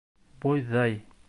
— Бойҙай.